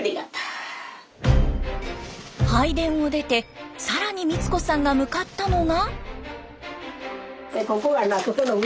拝殿を出て更に光子さんが向かったのが。